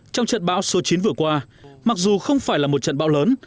trong trận bão số chín vừa qua mặc dù không phải là một trận bão lớn